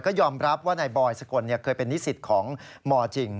ก็ยอมรับว่านายบอยสกลเคยเป็นนิสิตของมจริง